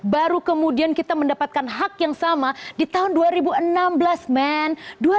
baru kemudian kita mendapatkan hak yang sama di tahun dua ribu enam belas men